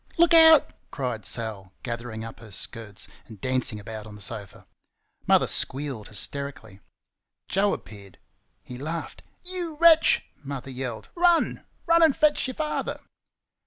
"Look out!" cried Sal, gathering up her skirts and dancing about on the sofa. Mother squealed hysterically. Joe appeared. He laughed. "You wretch!" Mother yelled. "Run! RUN, and fetch your father!"